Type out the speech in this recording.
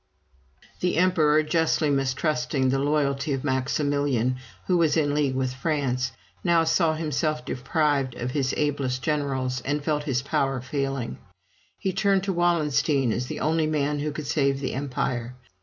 The emperor, justly mistrusting the loyalty of Maximilian, who was in league with France, now saw himself deprived of his ablest generals, and felt his power failing. He turned to Wallenstein as the only man who could save the Empire.